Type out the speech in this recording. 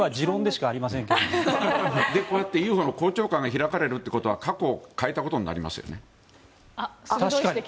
こうやってＵＦＯの公聴会が開かれることは過去を変えたことになりますよね。